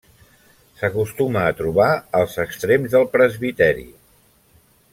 S'acostuma a trobar als extrems del presbiteri.